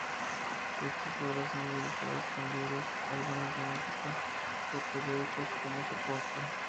Estas obras son realizadas con libros, álbumes de música o periódicos como soporte.